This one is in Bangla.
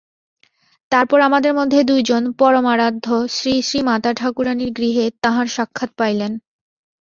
তারপর আমাদের মধ্যে দুইজন পরমারাধ্যা শ্রীশ্রীমাতাঠাকুরাণীর গৃহে তাঁহার সাক্ষাৎ পাইলেন।